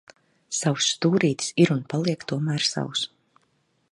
Savs stūrītis ir un paliek tomēr savs.